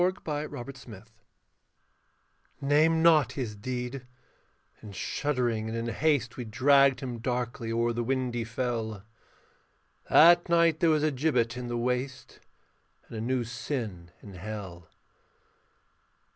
THE EARTH'S SHAME Name not his deed: in shuddering and in haste We dragged him darkly o'er the windy fell: That night there was a gibbet in the waste, And a new sin in hell.